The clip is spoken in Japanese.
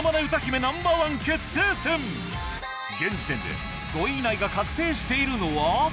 現時点で５位以内が確定しているのは